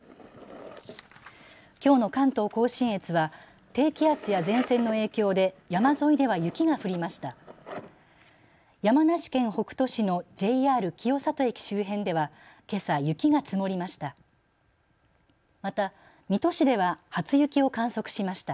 きょうの関東甲信越は低気圧や前線の影響で山沿いでは雪が降りました。